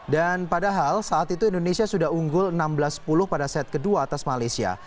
dan padahal saat itu indonesia sudah unggul enam belas sepuluh pada set kedua atas malaysia